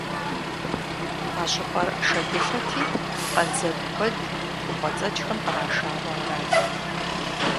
А щӏыпӏэр шэдылъэти, къандзэгу куэд хъумпӀэцӀэджхэм кърашауэ арат.